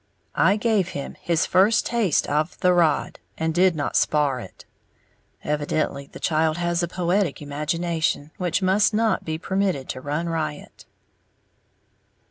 I gave him his first taste of "the rod," and did not "spar'" it. Evidently the child has a poetic imagination, which must not be permitted to run riot.